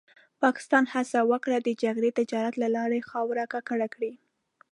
پاکستان هڅه وکړه د جګړې تجارت له لارې خاوره ککړه کړي.